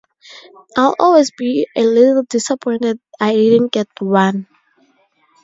I'll always be a little disappointed I didn't get one.